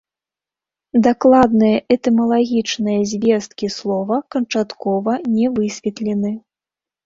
Дакладныя этымалагічныя звесткі слова канчаткова не высветлены.